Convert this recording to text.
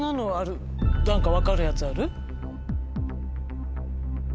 何か分かるやつある？